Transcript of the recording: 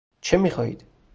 چه میخواهید؟